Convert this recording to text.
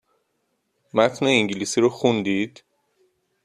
متن انگلیسی رو خوندید؟